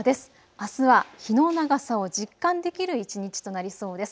あすは日の長さを実感できる一日となりそうです。